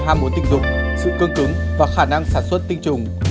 ham muốn tình dục sự cương cứng và khả năng sản xuất tinh trùng